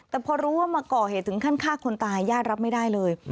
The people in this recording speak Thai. แต่พอรู้ว่ามาก่อเหตุถึงขั้นฆ่าคนตายญาติรับไม่ได้เลย